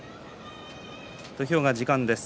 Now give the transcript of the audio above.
土俵が時間です。